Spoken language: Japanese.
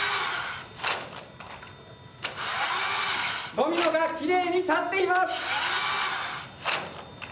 ドミノがきれいに立っています！